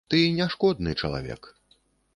Ты не шкодны чалавек.